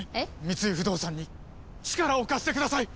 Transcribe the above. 三井不動産に力を貸してください！